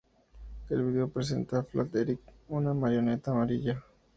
El video presenta a Flat Eric, una marioneta amarilla.